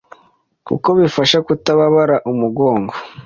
kuko bifasha kutababara umugongo